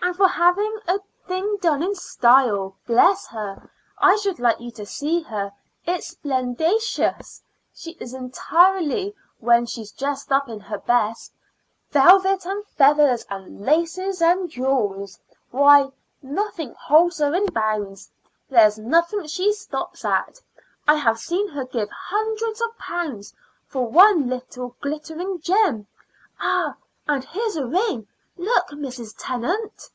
and for having a thing done in style, bless her! I should like you to see her. It's splendacious she is entirely when she's dressed up in her best velvet and feathers and laces and jewels. Why, nothing holds her in bounds; there's nothing she stops at. I have seen her give hundreds of pounds for one little glittering gem. Ah! and here's a ring. Look, Mrs. Tennant."